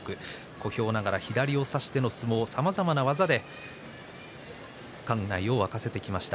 小兵ながら左を差しての相撲で館内を沸かせてきました。